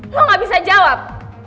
lo gak bisa jawab